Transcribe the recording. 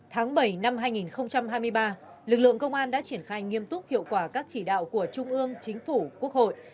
tháng bảy năm hai nghìn hai mươi ba lực lượng công an đã triển khai nghiêm túc hiệu quả các chỉ đạo của trung ương chính phủ quốc hội